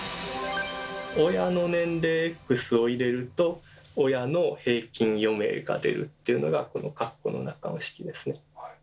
親の年齢「Ｘ」を入れると親の平均余命が出るっていうのがこのカッコの中の式ですね。